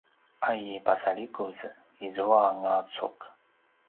a i pasalikuz izua ngacuq